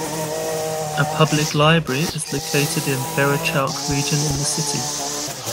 A public library is located in Bara Chauk region in the city.